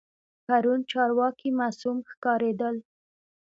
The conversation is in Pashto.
پرون چارواکي معصوم ښکارېدل.